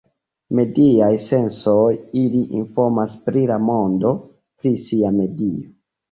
Mediaj sensoj, ili informas pri la mondo; pri sia medio.